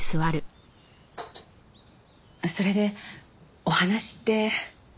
それでお話って？